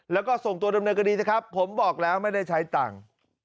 แล้วก็ส่งตัวดำเนินคดีนะครับผมบอกแล้วไม่ได้ใช้ตังค์